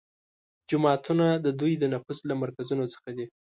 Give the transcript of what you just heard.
جوماتونه د دوی د نفوذ له مرکزونو څخه دي